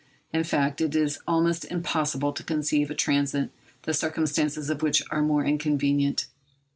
In fact, it is almost impossible to conceive a transit the circumstances of which are more inconvenient.